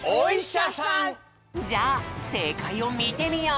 じゃあせいかいをみてみよう！